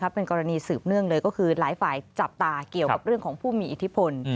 เป็นกรณีสืบเนื่องเลยก็คือหลายฝ่ายจับตาเกี่ยวกับเรื่องของผู้มีอิทธิพล